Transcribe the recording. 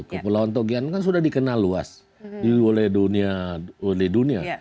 kepulauan togian kan sudah dikenal luas di dunia